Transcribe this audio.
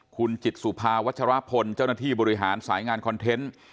คุณจิตสุภาวัชรพลเจ้าหน้าที่บริหารสายงานคอนเทนต์